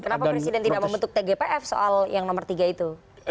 kenapa presiden tidak membentuk tgpf soal yang nomor tiga itu